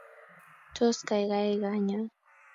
Tos, gaigai iganya?